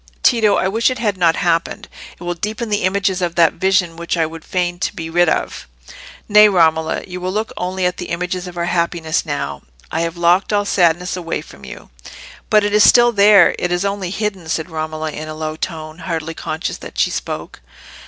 "Tito, I wish it had not happened. It will deepen the images of that vision which I would fain be rid of." "Nay, Romola, you will look only at the images of our happiness now. I have locked all sadness away from you." "But it is still there—it is only hidden," said Romola, in a low tone, hardly conscious that she spoke.